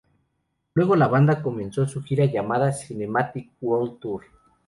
Luego la banda comenzó su gira llamada "Cinematic World Tour".